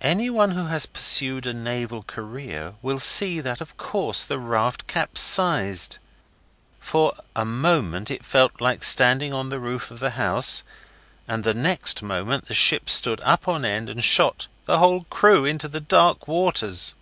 Anyone who has pursued a naval career will see that of course the raft capsized. For a moment it felt like standing on the roof of the house, and the next moment the ship stood up on end and shot the whole crew into the dark waters.